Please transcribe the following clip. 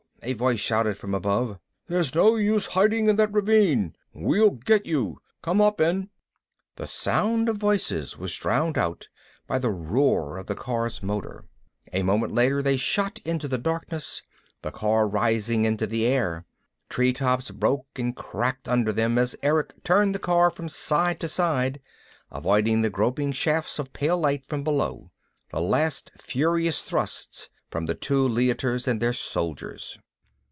a voice shouted from above. "There's no use hiding in that ravine. We'll get you! Come up and " The sound of voices was drowned out by the roar of the car's motor. A moment later they shot into the darkness, the car rising into the air. Treetops broke and cracked under them as Erick turned the car from side to side, avoiding the groping shafts of pale light from below, the last furious thrusts from the two Leiters and their soldiers.